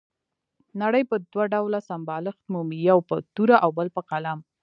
نړۍ په دوه ډول سمبالښت مومي، یو په توره او بل په قلم.